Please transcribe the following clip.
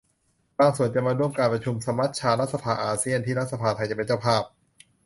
บางส่วนจะมาร่วมการประชุมสมัชชารัฐสภาอาเซียน ที่รัฐสภาไทยจะเป็นเจ้าภาพ